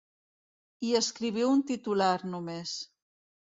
I escriviu un titular, només.